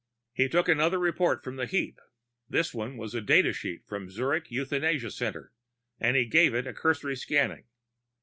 He took another report from the heap. This one was the data sheet of the Zurich Euthanasia Center, and he gave it a cursory scanning.